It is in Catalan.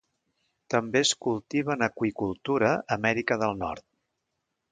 També es cultiva en aqüicultura a Amèrica del Nord.